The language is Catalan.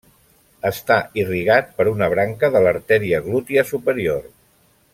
Està irrigat per una branca de l'artèria glútia superior.